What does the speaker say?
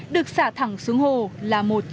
được xả thẳng xuống hồ là một vấn đề